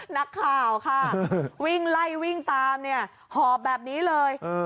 นักข่าวค่ะวิ่งไล่วิ่งตามเนี่ยหอบแบบนี้เลย